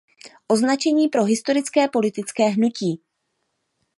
Označení pro historické politické hnutí.